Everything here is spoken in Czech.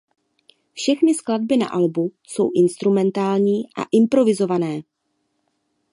Všechny skladby na albu jsou instrumentální a improvizované.